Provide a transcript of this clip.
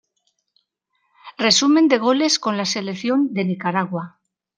Resumen de Goles con la Selección de Nicaragua